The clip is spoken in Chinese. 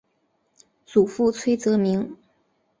祖父崔则明。